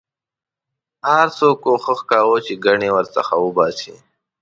هر څوک کوښښ کاوه چې ګنې ورننه باسي.